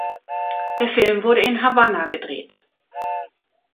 Der Film wurde in Havanna gedreht.